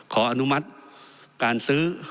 ขออนุมัติการซื้อ